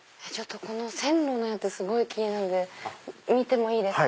線路のやつすごい気になるんで見てもいいですか？